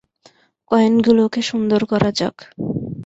কয়েনগুলোকে সুন্দর করা যাক।